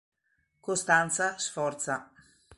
Costanza Sforza